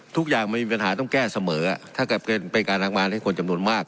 ทุกอย่างมันมีปัญหาต้องแก้เสมอถ้าเกิดเป็นการทำงานให้คนจำนวนมาก